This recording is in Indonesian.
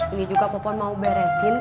ini juga popon mau beresin